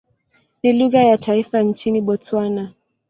Ni lugha ya taifa nchini Botswana.